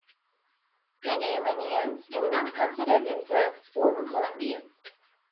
Panamanians do not consider themselves former Colombians.